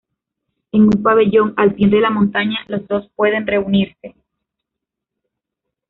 En un pabellón al pie de la montaña, los dos pueden reunirse.